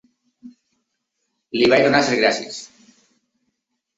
Li vaig donar les gràcies.